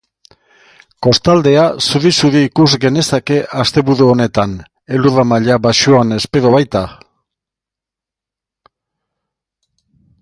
Kostaldea zuri-zuri ikus genezake asteburu honetan, elurra maila baxuan espero baita.